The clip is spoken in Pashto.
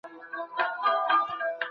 منصفانه تحلیل موږ ته د پرمختګ لاره ښيي.